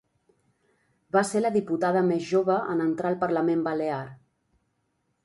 Va ser la diputada més jove en entrar al Parlament Balear.